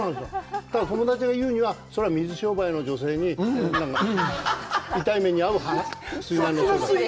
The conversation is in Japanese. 友達が言うにはそれは水商売の女性に痛い目に遭う水難の相だと。